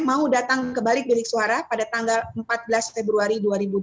mau datang ke balik bilik suara pada tanggal empat belas februari dua ribu dua puluh